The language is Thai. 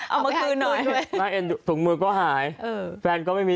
เอามาคืนหน่อยน่าเอ็นถุงมือก็หายแฟนก็ไม่มี